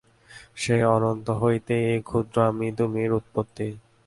সেই অনন্ত হইতেই এই ক্ষুদ্র আমি-তুমির উৎপত্তি।